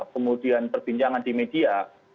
kemudian perbincangan di media